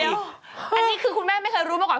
อันนี้คือคุณแม่ไม่เคยรู้มาก่อน